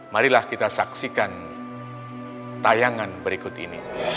marilah kita saksikan tayangan berikut ini